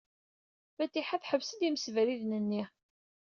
Fatiḥa teḥbes-d imsebriden-nni.